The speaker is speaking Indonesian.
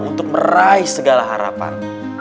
untuk meraih segala harapan